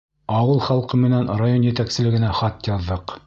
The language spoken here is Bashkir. Ауыл халҡы менән район етәкселегенә хат яҙҙыҡ.